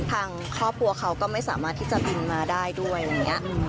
ทางครอบครัวเขาก็ไม่สามารถที่จะบินมาได้ด้วยอะไรอย่างนี้